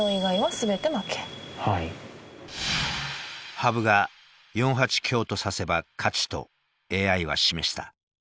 羽生が４八香と指せば勝ちとＡＩは示した。